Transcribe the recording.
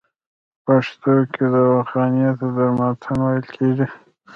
په پښتو کې دواخانې ته درملتون ویل کیږی.